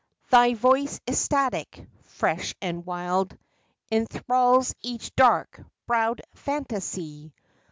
Thy voice ecstatic, fresh and wild, Enthralls each dark browed phantasy.